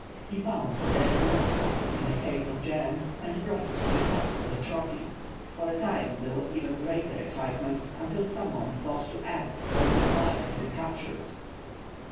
He found a dead blow fly in a case of jam and brought it to the hut as a trophy. For a time there was even greater excitement, until some one thought to ask where the fly had been captured.